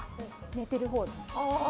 寝てるほうだ。